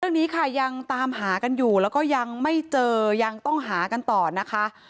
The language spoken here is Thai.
เรื่องนี้ค่ะยังตามหากันอยู่แล้วก็ยังไม่เจอยังต้องหากันต่อนะคะ